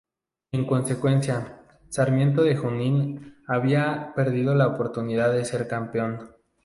Y en consecuencia, Sarmiento de Junín había perdido la oportunidad de ser campeón.